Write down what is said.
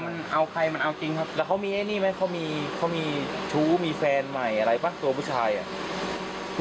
แล้วเขามีตัวแบบนี้มั้ยมีถูกแฟนใหม่ตัวผู้ชายอะไรเปล่า